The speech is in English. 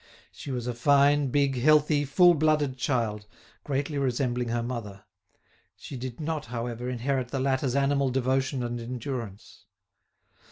She was a fine, big, healthy, full blooded child, greatly resembling her mother. She did not, however, inherit the latter's animal devotion and endurance.